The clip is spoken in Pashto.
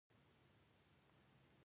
اوس خو.